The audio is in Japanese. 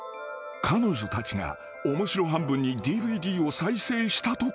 ［彼女たちが面白半分にＤＶＤを再生したところ］